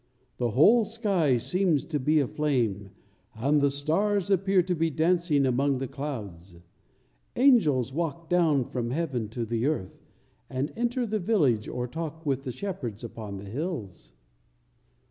The whole sky seems to be aflame, and the stars appear to be dancing among the clouds; angels walk down from heaven to the earth, and enter the village or talk with the shepherds upon the hills."